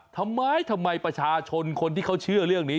ทำไมทำไมประชาชนคนที่เขาเชื่อเรื่องนี้